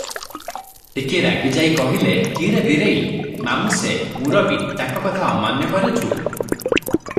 ଟିକିଏ ରାଗିଯାଇ କହିଲେ, "କି ରେ ବୀରେଇ! ମାମୁ ସେ, ମୁରବି, ତାଙ୍କ କଥା ଅମାନ୍ୟ କରୁଛୁ?